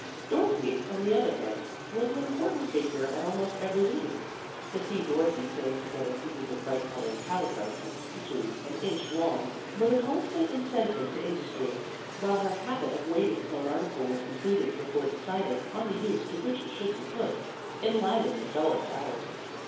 Dorothy, on the other hand, was an important figure at almost every meeting. To see Dorothy sewing together pieces of bright colored calico, with stitches an inch long, was a constant incentive to industry, while her 100 THE BAZAR 101 habit of waiting till an article was completed before deciding on the use to which it should be put, enlivened the dullest hours.